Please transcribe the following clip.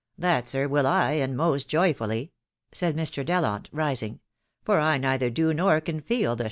" That, sir,, will I, and mast joyfidly," said Mr.Ddkitf, rising; "for I neither do nor can feeL the.